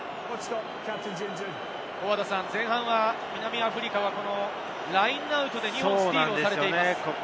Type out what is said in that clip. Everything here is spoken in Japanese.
前半、南アフリカはラインアウトで２本スティールされています。